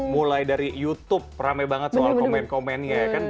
mulai dari youtube rame banget soal komen komennya ya kan